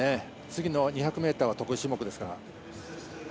次の２００ｍは得意種目ですから。